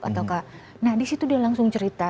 atau nah disitu dia langsung cerita